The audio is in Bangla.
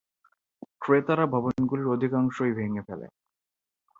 ক্রেতারা ভবনগুলির অধিকাংশই ভেঙে ফেলে।